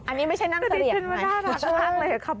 อันนี้ไม่ใช่นั่งเสรียกไหมสักเลยครับ